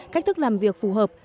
cách thức làm việc phù hợp